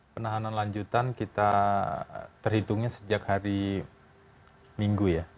penahanan lanjutan kita terhitungnya sejak hari minggu ya